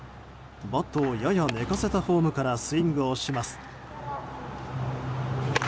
バットをやや寝かせたフォームからスイングをします。